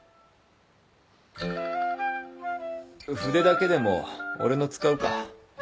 筆だけでも俺の使うか？